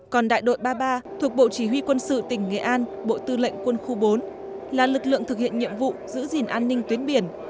còn đại đội ba mươi ba thuộc bộ chỉ huy quân sự tỉnh nghệ an bộ tư lệnh quân khu bốn là lực lượng thực hiện nhiệm vụ giữ gìn an ninh tuyến biển